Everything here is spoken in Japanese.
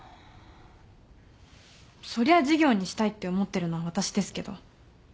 そりゃあ事業にしたいって思ってるのは私ですけど。